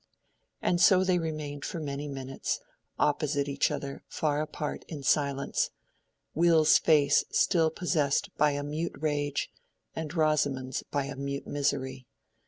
And so they remained for many minutes, opposite each other, far apart, in silence; Will's face still possessed by a mute rage, and Rosamond's by a mute misery.